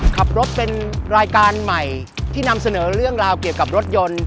ขับรถเป็นรายการใหม่ที่นำเสนอเรื่องราวเกี่ยวกับรถยนต์